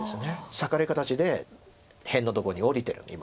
裂かれ形で辺のとこに下りてる今。